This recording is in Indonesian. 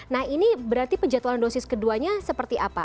nah ini berarti penjatuhan dosis keduanya seperti apa